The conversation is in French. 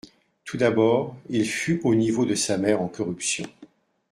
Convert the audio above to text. Tout d'abord, il fut au niveau de sa mère en corruption.